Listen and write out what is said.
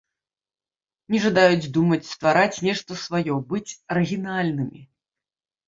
Не жадаюць думаць, ствараць нешта сваё, быць арыгінальнымі.